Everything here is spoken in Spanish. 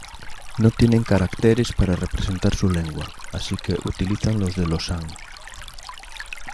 No tienen caracteres para representar su lengua, así que utilizan los de los han.